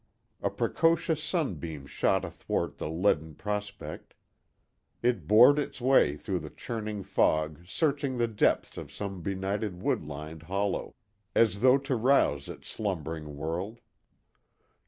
A precocious sunbeam shot athwart the leaden prospect. It bored its way through the churning fog searching the depths of some benighted wood lined hollow, as though to rouse its slumbering world.